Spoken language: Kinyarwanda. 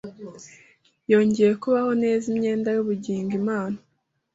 yongeye kuboha neza Imyenda yubugingo imana